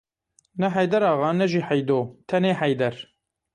Ne Heyder axa, ne jî Heydo; tenê Heyder.